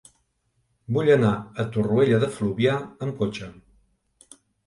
Vull anar a Torroella de Fluvià amb cotxe.